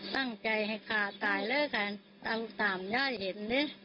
ตั้งใจให้ขาตายเลยค่ะตามย่ายเห็นเลย